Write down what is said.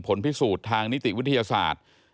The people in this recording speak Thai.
ผลพิสูจน์ทางนิติวิทยาศาสตร์